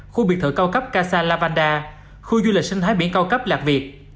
khu biệt thự cao cấp casa lavanda khu du lịch sinh thái biển cao cấp lạc việt